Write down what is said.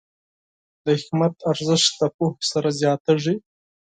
د حکمت ارزښت د پوهې سره زیاتېږي.